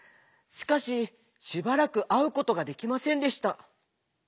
しかししばらくあうことができませんでした。